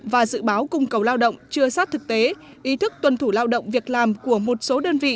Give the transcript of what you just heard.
và dự báo cung cầu lao động chưa sát thực tế ý thức tuân thủ lao động việc làm của một số đơn vị